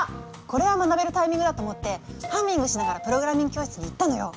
これは学べるタイミングだと思ってハミングしながらプログラミング教室に行ったのよ。